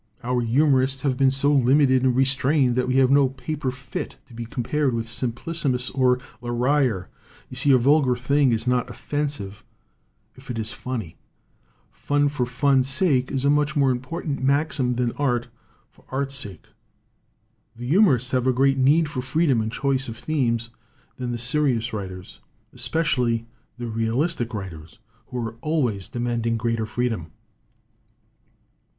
Our humorists have been so limited and restrained that we have no 58 ROMANTICISM AND HUMOR paper fit to be compared with Simplicissimus or Le Rire. "You see, a vulgar thing is not offensive if it is funny. Fun for fun's sake is a much more im portant maxim than art for art's sake. The humorists have a greater need for freedom in choice of themes than the serious writers, es pecially the realistic writers, who are always de manding greater freedom."